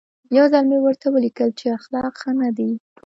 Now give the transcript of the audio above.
یو ځل مې ورته ولیکل چې اخلاق ښه نه دي.